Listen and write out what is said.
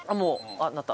あっ鳴った。